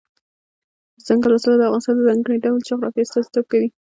دځنګل حاصلات د افغانستان د ځانګړي ډول جغرافیې استازیتوب کوي.